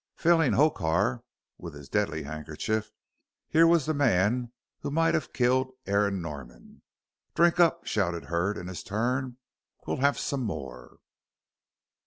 Failing Hokar, with his deadly handkerchief, here was the man who might have killed Aaron Norman. "Drink up," shouted Hurd in his turn, "we'll have some more.